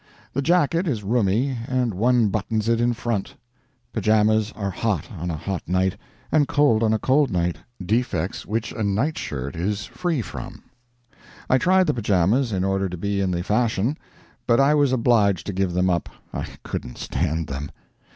The jacket is roomy, and one buttons it in front. Pyjamas are hot on a hot night and cold on a cold night defects which a nightshirt is free from. I tried the pyjamas in order to be in the fashion; but I was obliged to give them up, I couldn't stand them.